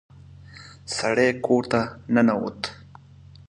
سړی کور ته ننوت.